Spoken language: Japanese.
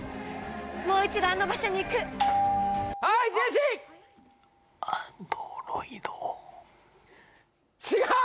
もう一度あの場所に行くはいジェシー違う